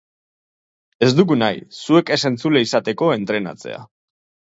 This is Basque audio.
Ez dugu nahi, zuek ez entzule izateko entrenatzea.